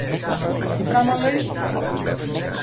Τι πράμα λέει;